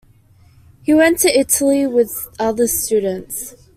He went to Italy with other students.